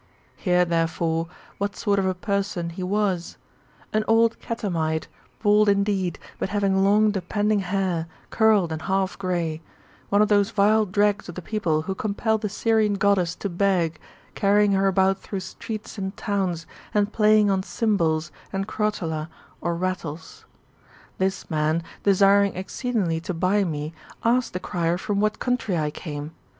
Hear, therefore, what sort of a person he was : an old catamite ; bald, indeed, but having long depend ing hair, curled and half grey ; one of those vile dregs of the people, who compel the Syrian Goddess^ to beg, carrying her about through streets and towns, and playing on cymbals and crotala^ or rattles. This man, desiring exceedingly to buy me, asked the crier from what country I came